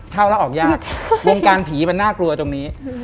เข้าแล้วออกยากวงการผีมันน่ากลัวตรงนี้